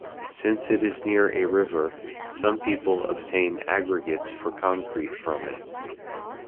Since it is near a river, some people obtain aggregates for concrete from it.